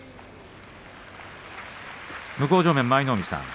向正面舞の海さん